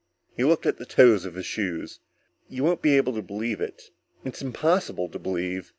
_He looked at the toes of his shoes. "You won't be able to believe it. It's impossible to believe.